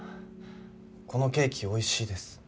このケーキ美味しいです。